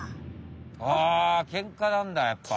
あケンカなんだやっぱ！